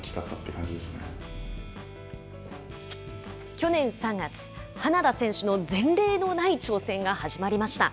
去年３月、花田選手の前例のない挑戦が始まりました。